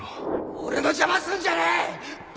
俺の邪魔すんじゃねえ！